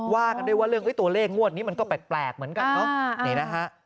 ว่ากันด้วยว่าเรื่องตัวเลขงวดนี้มันก็แปลกเหมือนกันเนอะนี่นะฮะ